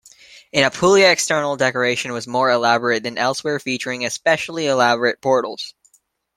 In Apulia external decoration was more elaborate than elsewhere featuring especially elaborate portals.